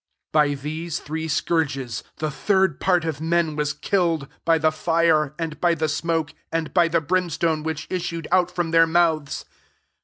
18 By these three scourges the third part of men was kil led, by the fire, and by the smoke, and by the brimstone, which issued out from their mouths.